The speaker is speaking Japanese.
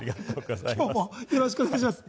きょうもよろしくお願いします。